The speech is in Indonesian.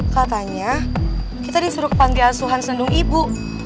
katanya kita disuruh ke panggil asuhan sendung ibu